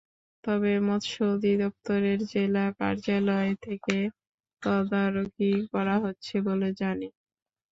তবে মৎস্য অধিদপ্তরের জেলা কার্যালয় থেকে তদারকি করা হচ্ছে বলে জানি।